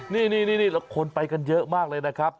นี่คนไปกันเยอะมากเลยนะครับ